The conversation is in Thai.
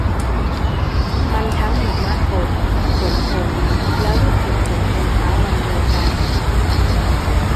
มันทั้งหิมะตกฝนตกแล้วลูกเห็บตกในเช้าวันเดียวกัน